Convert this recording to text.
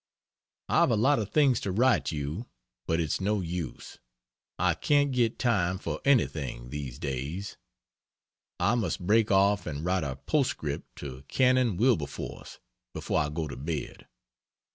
I've a lot of things to write you, but it's no use I can't get time for anything these days. I must break off and write a postscript to Canon Wilberforce before I go to bed.